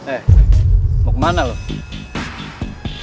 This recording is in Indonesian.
eh mau kemana lo